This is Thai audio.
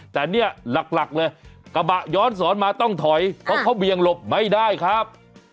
แต่เนี่ยหลักเลยกระบะย้อนสอนมาต้องถอยเพราะเขาเวียงหลบไม่ได้ครับ